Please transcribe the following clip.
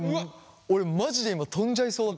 俺マジで今飛んじゃいそうだった。